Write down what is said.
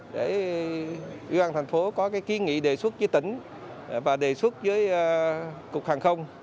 để ubnd thành phố có cái kiến nghị đề xuất với tỉnh và đề xuất với cuộc hàng không